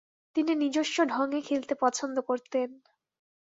তিনি নিজস্ব ঢংয়ে খেলতে পছন্দ করতেন।